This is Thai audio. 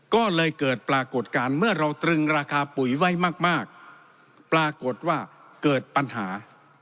ก็เลยเกิดปรากฏการณ์เมื่อเราตรึงราคาปุ๋ยไว้มากปรากฏว่าเกิดปัญหา